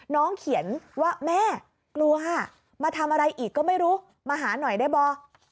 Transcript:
น้องเขียนว่าแม่กลัวมาทำอะไรอีกก็ไม่รู้มาหาหน่อยได้บ่